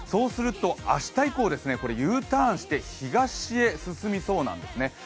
明日以降、Ｕターンして東へ進みそうなんですね。